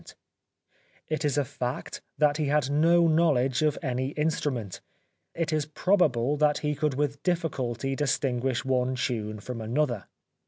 It is a fact that music bored him ; it is a fact that he had no knowledge of any instrument ; it is probable that he could with difficulty distinguish one tune from another.